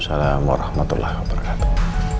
waalaikumsalam warahmatullahi wabarakatuh